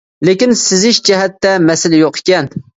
لېكىن سىزىش جەھەتتە مەسىلە يوق ئىكەن.